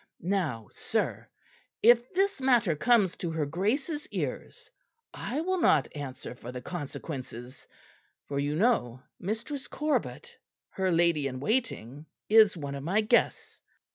Now, sir, if this matter comes to her Grace's ears, I will not answer for the consequences; for you know Mistress Corbet, her lady in waiting, is one of my guests.